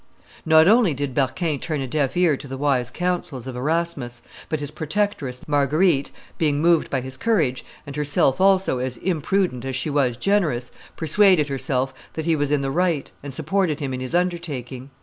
Not only did Berquin turn a deaf ear to the wise counsels of Erasmus, but his protectress, Marguerite, being moved by his courage, and herself also as imprudent as she was generous, persuaded herself that he was in the right, and supported him in his undertaking.